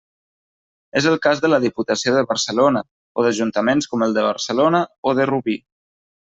És el cas de la Diputació de Barcelona, o d'Ajuntaments com el de Barcelona o de Rubí.